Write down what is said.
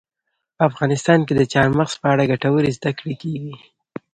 په افغانستان کې د چار مغز په اړه ګټورې زده کړې کېږي.